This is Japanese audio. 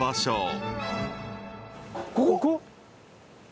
ここ？